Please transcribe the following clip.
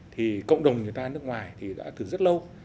thì cộng đồng người ta ở nước ngoài thì đã từ rất lâu